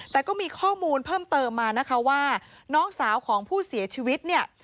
แต่ก็มีข้อมูลเพิ่มเติมมานะคะว่าน้องสาวของผู้เสียชีวิตเนี่ย